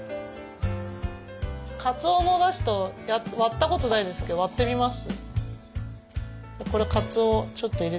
かつおのおだしと割ったことないですけど割ってみます。